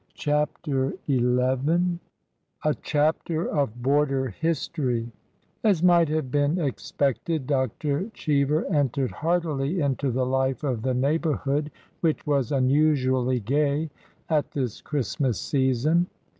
CHAPTER XI A CHAPTER OF BORDER HISTORY AS might have been expected, Dr. Cheever entered jL^ heartily into the life of the neighborhood, which was unusually gay at this Christmas season.